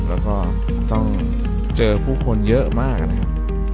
แล้วก็ต้องเจอผู้คนเยอะมากนะครับ